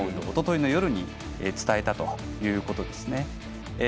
おとといの夜に伝えたということです。